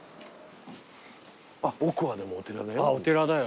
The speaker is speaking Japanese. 奥はでもお寺だよ。